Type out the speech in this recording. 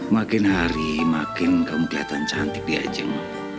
makin hari makin kamu kelihatan cantik dia jeng